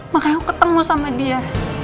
makanya aku ketemu sama dia